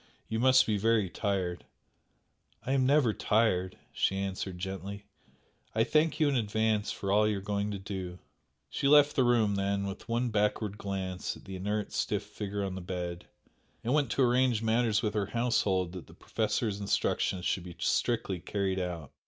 You must be very tired." "I am never tired" she answered, gently "I thank you in advance for all you are going to do!" She left the room then, with one backward glance at the inert stiff figure on the bed, and went to arrange matters with her household that the Professor's instructions should be strictly carried out.